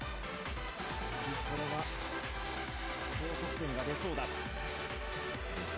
これは高得点が出そうだ。